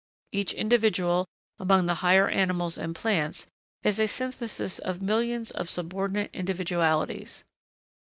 Each individual, among the higher animals and plants, is a synthesis of millions of subordinate individualities.